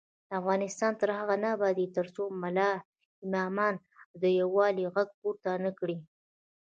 افغانستان تر هغو نه ابادیږي، ترڅو ملا امامان د یووالي غږ پورته نکړي.